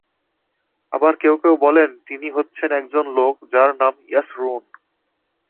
আবার কেউ কেউ বলেন, তিনি হচ্ছেন একজন লোক যার নাম ইয়াসরূন।